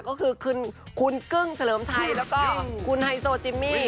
ก็คือคุณกึ้งเฉลิมชัยแล้วก็คุณไฮโซจิมมี่